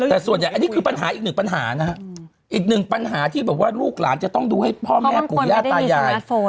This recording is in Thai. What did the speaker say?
แต่ส่วนใหญ่อันนี้คือปัญหาอีกหนึ่งปัญหานะฮะอีกหนึ่งปัญหาที่แบบว่าลูกหลานจะต้องดูให้พ่อแม่ปู่ย่าตายาย